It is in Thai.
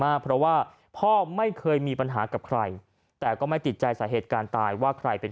มากเพราะว่าพ่อไม่เคยมีปัญหากับใครแต่ก็ไม่ติดใจสาเหตุการณ์ตายว่าใครเป็น